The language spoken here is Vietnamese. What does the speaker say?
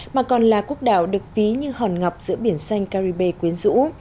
mà còn là quốc đảo được ví như hòn ngọc giữa biển xanh caribe quyến rũ